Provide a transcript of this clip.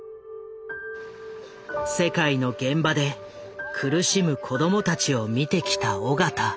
世界の現場で苦しむ子供たちを見てきた緒方。